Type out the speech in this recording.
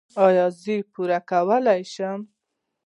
ایا زه پور کولی شم؟